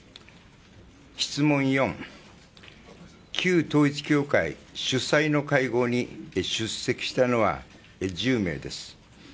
質問４、旧統一教会主催の会合に出席したのは１０名です。